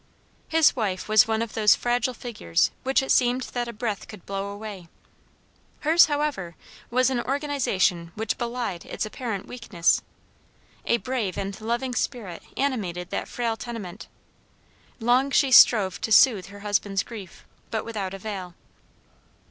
His wife was one of those fragile figures which it seemed that a breath could blow away. Hers, however, was an organization which belied its apparent weakness. A brave and loving spirit animated that frail tenement. Long she strove to soothe her husband's grief, but without avail.